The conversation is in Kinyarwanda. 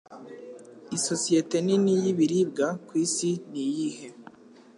Isosiyete nini y’ibiribwa ku isi niyihe?